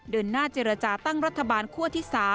เดินหน้าเจรจาตั้งรัฐบาลคั่วที่๓